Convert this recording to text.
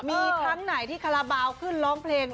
มีครั้งไหนที่คาราบาลขึ้นร้องเพลง